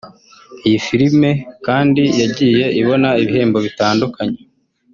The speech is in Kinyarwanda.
Iyi filimi kandi yagiye ibona ibihembo bitandukanye